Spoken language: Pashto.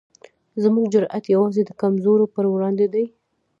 زموږ جرئت یوازې د کمزورو پر وړاندې دی.